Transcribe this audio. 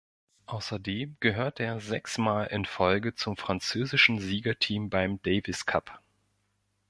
Außerdem gehörte er sechsmal in Folge zum französischen Siegerteam beim Davis Cup.